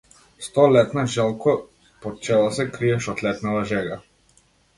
Столетна желко, под чевел се криеш од летнава жега!